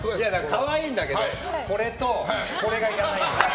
可愛いんだけどこれと、これがいらないんだよ。